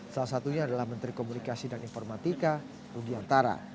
salah satunya adalah menteri komunikasi dan informatika rugi antara